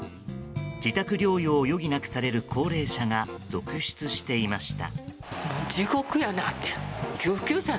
自宅療養を余儀なくされる高齢者が続出していました。